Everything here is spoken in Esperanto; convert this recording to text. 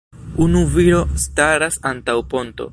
Unu viro staras antaŭ ponto.